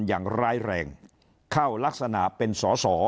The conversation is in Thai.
อย่างร้ายแรงเข้ารักษณะเป็นสอสอ